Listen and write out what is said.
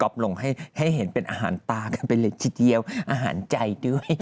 กลมก๊อปลงให้เห็นเป็นอาหารตากันไปเลยเฉยอาหารใจด้วย